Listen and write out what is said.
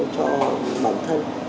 cho bản thân